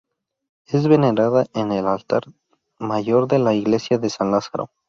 Es venerada en el altar mayor de la Iglesia de San Lázaro.